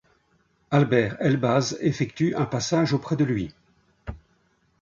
Alber Elbaz effectue un passage auprès de lui.